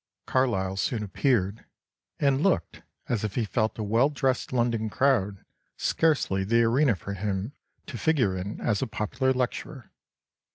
] "Carlyle soon appeared, and looked as if he felt a well dressed London crowd scarcely the arena for him to figure in as a popular lecturer.